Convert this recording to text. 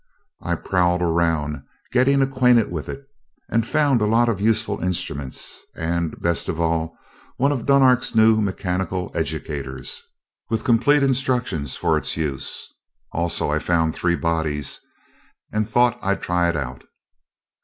I prowled around, getting acquainted with it, and found a lot of useful instruments and, best of all, one of Dunark's new mechanical educators, with complete instructions for its use. Also, I found three bodies, and thought I'd try it out...."